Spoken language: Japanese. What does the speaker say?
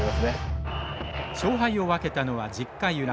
勝敗を分けたのは１０回裏。